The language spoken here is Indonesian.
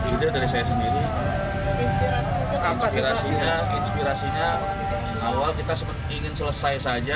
ide dari saya sendiri inspirasinya awal kita ingin selesai saja